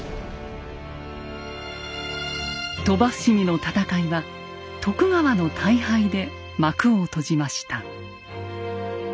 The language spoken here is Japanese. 鳥羽伏見の戦いは徳川の大敗で幕を閉じました。